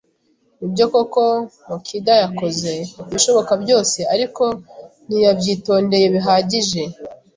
Nibyo koko Mochida yakoze ibishoboka byose, ariko ntiyabyitondeye bihagije.